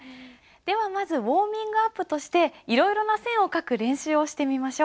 ではまずウォーミングアップとしていろいろな線を書く練習をしてみましょう。